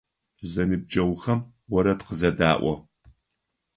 Зэныбджэгъухэм орэд къызэдаӏо.